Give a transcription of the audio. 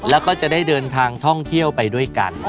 แล้วก็จะได้เดินทางท่องเที่ยวไปด้วยกัน